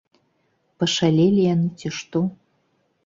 Пашалелі яны, ці што?